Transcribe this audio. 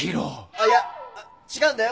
あっいや違うんだよ